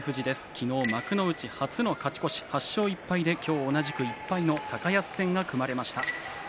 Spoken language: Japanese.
昨日、幕内初の勝ち越し。８勝１敗で今日、同じく１敗の高安戦が組まれました。